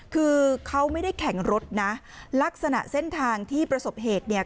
คือเขาไม่ได้แข่งรถนะลักษณะเส้นทางที่ประสบเหตุเนี่ย